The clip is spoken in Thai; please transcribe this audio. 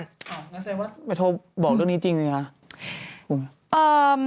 อ๋อนักศึกษาวัตรไปโทรบอกเรื่องนี้จริงเลยค่ะ